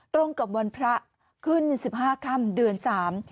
ตรงกับวันพระขึ้นสิบห้าค่ำเดือนสาม